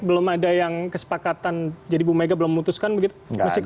belum ada yang kesepakatan jadi ibu mega belum memutuskan begitu mas siko